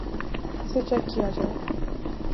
اسے چیک کیا جائے